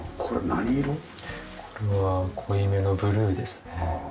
これは濃いめのブルーですね。